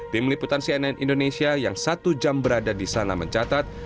tim liputan cnn indonesia yang satu jam berada di sana mencatat